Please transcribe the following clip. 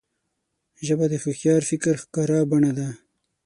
ژبه د هوښیار فکر ښکاره بڼه ده